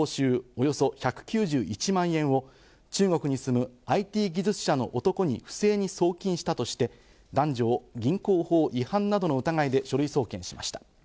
およそ１９１万円を中国に住むＩＴ技術者の男に不正に送金したとして、男女を銀行法違反などの疑いで書類送検しました。